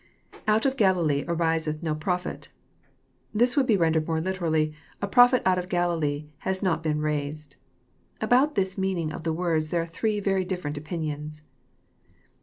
[^Out of Galilee ariseth no prophet.'] This would be rendered more literally, a prophet out of Galilee has not been raised." About the meaning of the words there are three very different opinions.